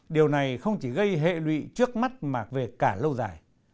điều này không chỉ gây hệ lụy trước mắt mà về cả lâu dài